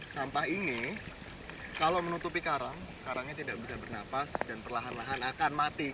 sampah ini kalau menutupi karang karangnya tidak bisa bernapas dan perlahan lahan akan mati